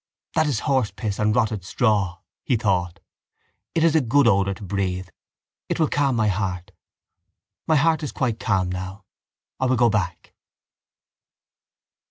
That is horse piss and rotted straw, he thought. It is a good odour to breathe. It will calm my heart. My heart is quite calm now. I will go back.